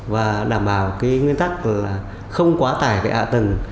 và đảm bảo cái nguyên tắc là không quá tải cái ạ tầng